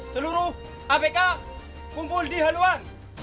seluruh abk kumpul di haluan